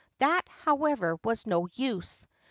That, however, was no use.